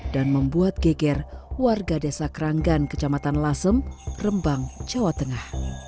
dan membuat geger warga desa kerangan kecamatan lasem rembang jawa tengah